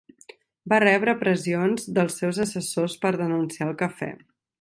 Va rebre pressions dels seus assessors per denunciar el cafè.